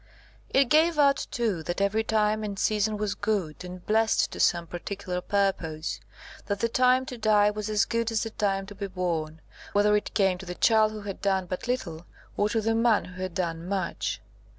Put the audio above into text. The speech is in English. It gave out, too, that every time and season was good, and blessed to some particular purpose; that the time to die was as good as the time to be born, whether it came to the child who had done but little, or to the man who had done much.